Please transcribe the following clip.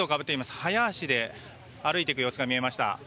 早足で歩いていく様子が見えました。